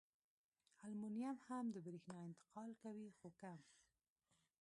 المونیم هم د برېښنا انتقال کوي خو کم.